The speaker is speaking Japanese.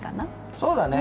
そうだね。